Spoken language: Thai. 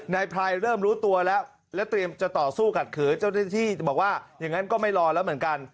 นายไพรเริ่มรู้ตัวแล้วและเตรียมจะต่อสู้ขัดขือเจ้าหน้าที่บอกว่าอย่างนั้นก็ไม่รอแล้วเหมือนกัน